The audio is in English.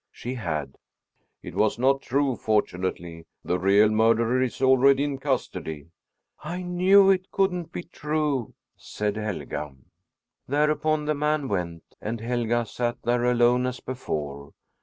She had. "It was not true, fortunately. The real murderer is already in custody." "I knew it couldn't be true," said Helga. Thereupon the man went, and Helga sat there alone, as before.